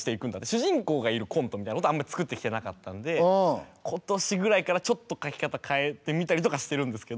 主人公がいるコントみたいなことをあんまり作ってきてなかったんで今年ぐらいからちょっと書き方変えてみたりとかしてるんですけど。